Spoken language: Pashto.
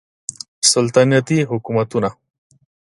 سلطنتي حکومتونه